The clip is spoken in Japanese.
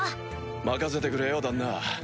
任せてくれよ旦那。